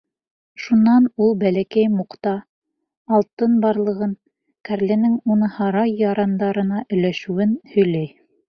Шунан ул Бәләкәй Мукта алтын барлығын, кәрләнең уны һарай ярандарына өләшеүен һөйләй.